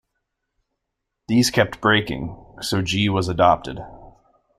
These kept breaking, so G was adopted.